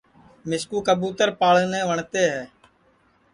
مِسکُو کئبوتر پاݪنے وٹؔتے ہے